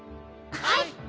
はい！